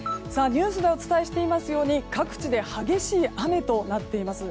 ニュースでお伝えしているとおり各地で激しい雨となっています。